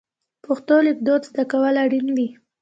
پښتو لیکدود زده کول اړین دي.